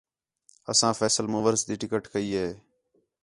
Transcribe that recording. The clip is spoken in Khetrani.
اَساں فیصل مؤورز تی ٹکٹ کَئی ہے